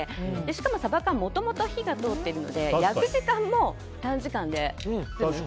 しかもサバ缶はもともと火が通っているので焼く時間も短時間で済む。